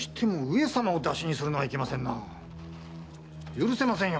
許せませんよ